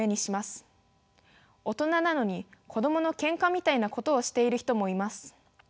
大人なのに子供のけんかみたいなことをしている人もいます。